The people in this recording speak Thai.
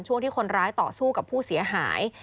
ช่วงที่คนร้ายต่อสู้กับผู้เสียหาย